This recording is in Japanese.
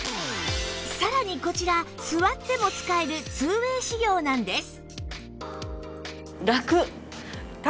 さらにこちら座っても使える ２ＷＡＹ 仕様なんです